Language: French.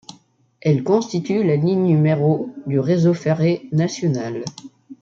Elle constitue la ligne n° du Réseau ferré national.